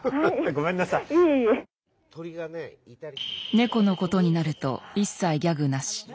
猫のことになると一切ギャグなし。